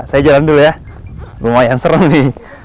saya jalan dulu ya lumayan serem nih